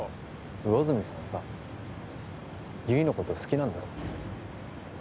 魚住さんさ、悠依のこと好きなんだろ？